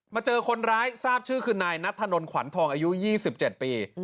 เจอคนร้ายทราบชื่อคือนายนัทธนลขวัญทองอายุ๒๗ปี